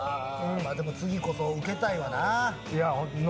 次こそウケたいわな。